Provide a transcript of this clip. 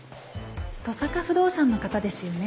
登坂不動産の方ですよね？